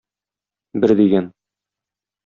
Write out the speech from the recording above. Бер дигән.